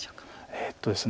えっとですね